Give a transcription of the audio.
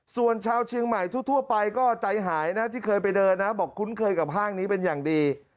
ส่วนชาวเชียงใหม่ทั่วไปก็ใจหายนะที่เคยไปเดินนะบอกคุ้นเคยกับห้างนี้เป็นอย่างดี